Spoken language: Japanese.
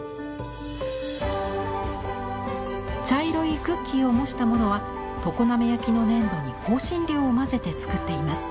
茶色いクッキーを模したものは常滑焼の粘土に香辛料を混ぜて作っています。